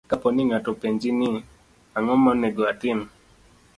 Kapo ni ng'ato openji ni, "Ang'o monego atim?"